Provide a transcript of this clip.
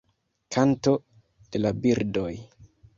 Kanto de la birdoj.